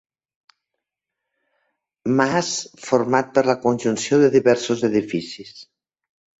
Mas format per la conjunció de diversos edificis.